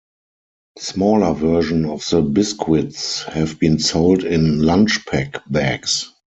Smaller version of the biscuits have been sold in "lunchpack" bags.